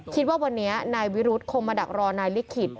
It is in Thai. คิดว่าวันนี้นายวิรุธคงมาดักรอนายลิขิต